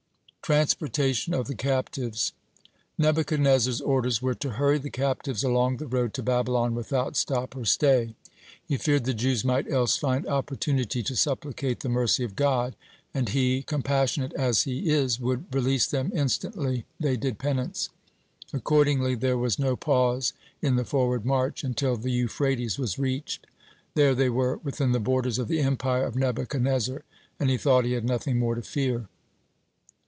(45) TRANSPORTATION OF THE CAPTIVES Nebuchadnezzar's orders were to hurry the captives along the road to Babylon without stop or stay. He feared the Jews might else find opportunity to supplicate the mercy of God, and He, compassionate as He is, would release them instantly they did penance. (46) Accordingly, there was no pause in the forward march, until the Euphrates was reached. There they were within the borders of the empire of Nebuchadnezzar, and he thought he had nothing more to fear.